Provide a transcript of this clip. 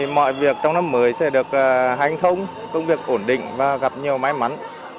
mọi việc trong năm mới sẽ được hành thông công việc ổn định và gặp nhiều may mắn